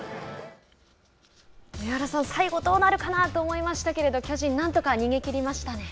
上原さん、最後どうなるかなと思いましたけれども巨人、なんとか逃げきりましたね。